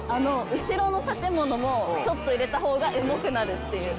後ろの建物もちょっと入れた方がエモくなるっていう。